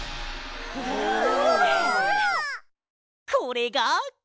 これが！